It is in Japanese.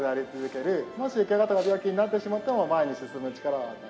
もしケガとか病気になってしまっても前に進む力を与える。